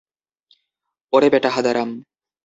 ওরে বেটা হাঁদারাম।